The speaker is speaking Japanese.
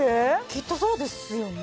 きっとそうですよね。